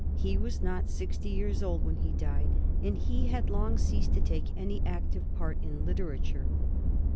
He was not sixty years old when he died, and he had long ceased to take any active part in literature.